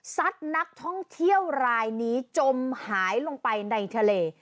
ซัดนักท่องเที่ยวรายนี้จมหายลงไปในทะเล